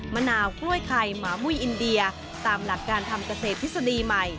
มะนาวกล้วยไข่หมามุ้ยอินเดียตามหลักการทำเกษตรทฤษฎีใหม่